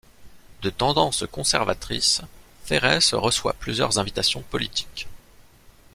De tendance conservatrice, Ferres reçoit plusieurs invitations politiques.